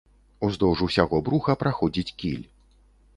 Уздоўж усяго бруха праходзіць кіль.